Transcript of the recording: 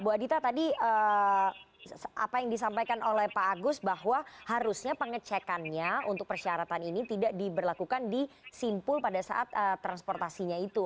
bu adita tadi apa yang disampaikan oleh pak agus bahwa harusnya pengecekannya untuk persyaratan ini tidak diberlakukan di simpul pada saat transportasinya itu